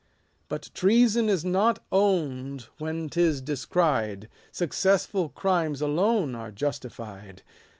But treason is not own'd when 'tis descried ; Successful crimes alone are justified.